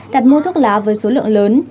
đặt mua thuốc lá với số lượng lớn